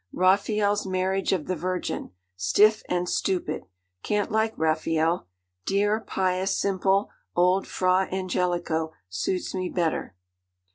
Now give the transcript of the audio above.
'Raphael's Marriage of the Virgin. Stiff and stupid. Can't like Raphael. Dear, pious, simple, old Fra Angelico suits me better.